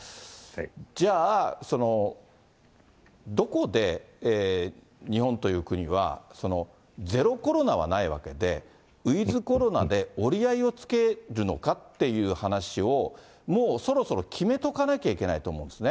じゃあ、どこで日本という国はゼロコロナはないわけで、ウィズコロナで折り合いをつけるのかという話をもうそろそろ決めとかなきゃいけないと思うんですね。